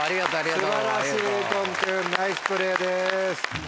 素晴らしい右近君ナイスプレーです。